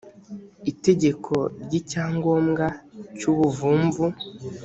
itegeko ry icyangombwa cy ubuvumvu